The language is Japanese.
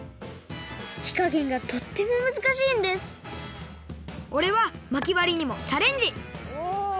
ひかげんがとってもむずかしいんですおれはまきわりにもチャレンジ！